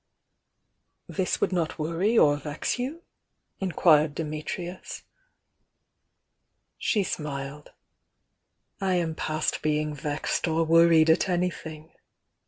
(»' "This would not vex or worry you?" inquired Di mitrius. She smiled. "I am past being vexed or worried at an> thing!"